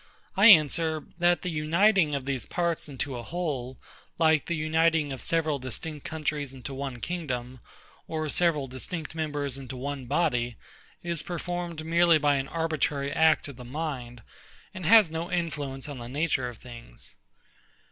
I answer, that the uniting of these parts into a whole, like the uniting of several distinct countries into one kingdom, or several distinct members into one body, is performed merely by an arbitrary act of the mind, and has no influence on the nature of things.